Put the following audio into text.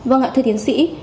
vâng ạ thưa thiên sĩ